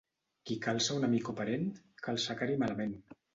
Qui calça un amic o parent calça car i malament.